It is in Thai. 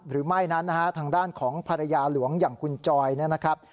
หรือไม่นั้นนะฮะทางด้านของภรรยาหลวงอย่างคุณจอยเนี่ยนะครับ